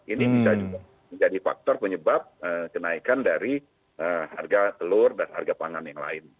ini bisa juga menjadi faktor penyebab kenaikan dari harga telur dan harga pangan yang lain